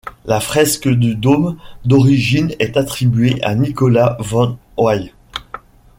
La fresque du dôme d'origine est attribuée à Nicolas van Hoy.